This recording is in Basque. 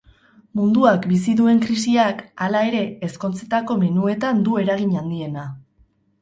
Munduak bizi duen krisiak, hala ere, ezkontzetako menuetan du eragin handiena.